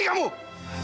pergi kamu pergi